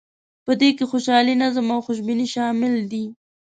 په دې کې خوشحالي، نظم او خوشبیني شامل دي.